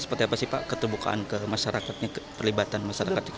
seperti apa sih pak keterbukaan ke masyarakatnya perlibatan masyarakat